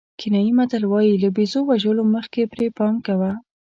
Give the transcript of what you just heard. کینیايي متل وایي له بېزو وژلو مخکې پرې پام کوه.